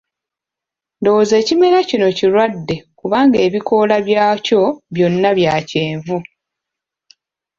Ndowooza ekimera kino kirwadde kubanga ebikoola byakyo byonna bya kyenvu.